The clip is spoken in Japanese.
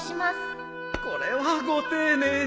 これはご丁寧に。